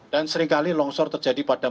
dan seringkali longsor terjadi pada